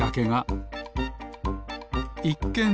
いっけん